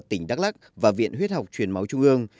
bệnh viện đa khoa tỉnh đắk lắc và viện huyết học chuyển máu trung ương